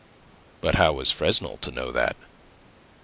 But how was Fresnel to know that?